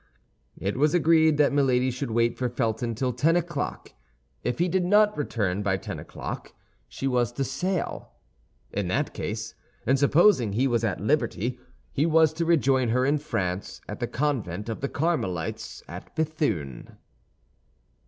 It was agreed that Milady should wait for Felton till ten o'clock; if he did not return by ten o'clock she was to sail. In that case, and supposing he was at liberty, he was to rejoin her in France, at the convent of the Carmelites at Béthune.